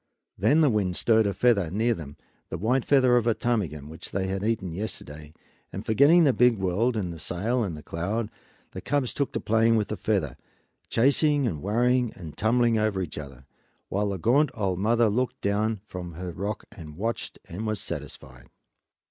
Then the wind stirred a feather near them, the white feather of a ptarmigan which they had eaten yesterday, and forgetting the big world and the sail and the cloud, the cubs took to playing with the feather, chasing and worrying and tumbling over each other, while the gaunt old mother wolf looked down from her rock and watched and was satisfied.